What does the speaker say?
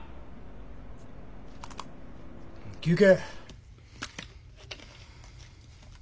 休憩。